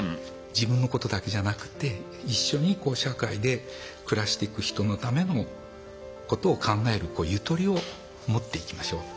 自分のことだけじゃなくて一緒に社会で暮らしていく人のためのことを考えるゆとりを持っていきましょう。